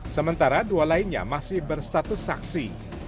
sementara dua lainnya masih berstatus saksi